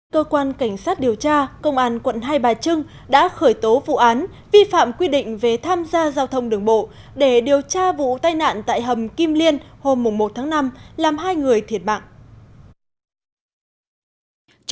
cơ quan cảnh sát điều tra công an quận hai bà trưng đã khởi tố vụ án vi phạm quy định về tham gia giao thông đường bộ để điều tra vụ tai nạn tại hầm kim liên hôm một tháng năm làm hai người thiệt mạng